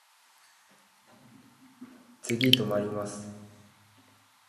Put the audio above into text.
次止まります。